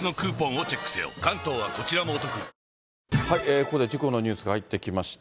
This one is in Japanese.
ここで事故のニュースが入ってきました。